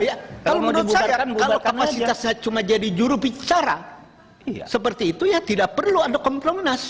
kalau menurut saya kalau kapasitasnya cuma jadi juru bicara seperti itu ya tidak perlu ada kompolnas